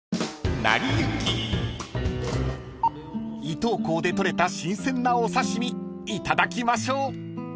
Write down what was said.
［伊東港で取れた新鮮なお刺し身いただきましょう］